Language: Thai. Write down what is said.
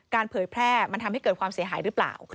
เผยแพร่มันทำให้เกิดความเสียหายหรือเปล่า